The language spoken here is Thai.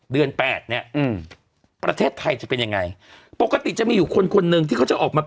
แปดเนี้ยอืมประเทศไทยจะเป็นยังไงปกติจะมีอยู่คนคนหนึ่งที่เขาจะออกมา